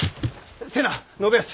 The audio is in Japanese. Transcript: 瀬名信康！